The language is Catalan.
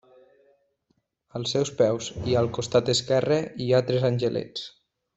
Als seus peus i al costat esquerre hi ha tres angelets.